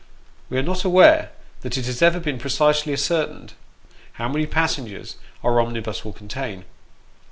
We are not aware that it has ever been precisely ascertained, how many passengers our omnibus will contain.